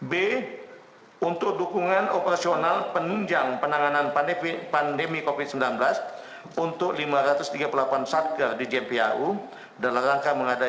b untuk dukungan operasional penunjang penanganan pandemi covid sembilan belas untuk lima ratus tiga puluh delapan satker di jpau dalam rangka mengadakan